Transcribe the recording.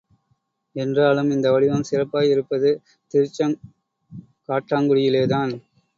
என்றாலும் இந்த வடிவம் சிறப்பாயிருப்பது திருச்செங்காட்டங்குடியிலே தான்.